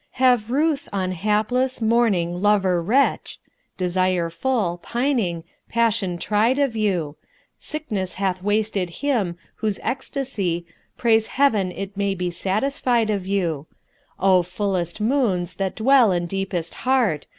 Have ruth on hapless, mourning, lover wretch, * Desire full, pining, passion tried of you: Sickness hath wasted him, whose ecstasy * Prays Heaven it may be satisfied of you: Oh fullest moons[FN#191] that dwell in deepest heart!